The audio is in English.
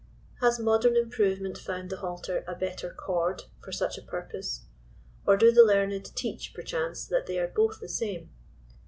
Has modern improvement found the halter a better cord" for such a purpose ? Or do the learned teach, perchance, that they are both the same